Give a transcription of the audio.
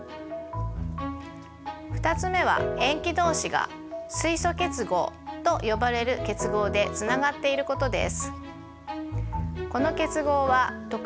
２つ目は塩基どうしが水素結合と呼ばれる結合でつながっていることです。